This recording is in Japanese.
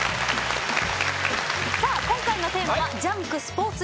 さあ今回のテーマは『ジャンク』スポーツ遺産